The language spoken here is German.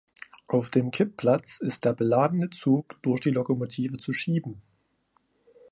Auf dem Kippplatz ist der beladene Zug durch die Lokomotive zu schieben.